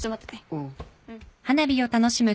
うん。